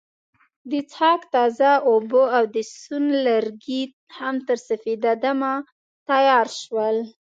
د څښاک تازه اوبه او د سون لرګي هم تر سپیده دمه تیار شول.